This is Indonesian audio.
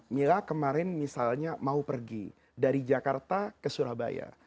mila kemarin misalnya mau pergi dari jakarta ke surabaya